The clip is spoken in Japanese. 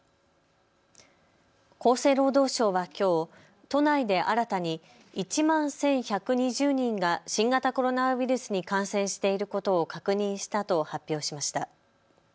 厚生労働省はきょう都内で新たに１万１１２０人が新型コロナウイルスに感染していることを確認したと発表しました。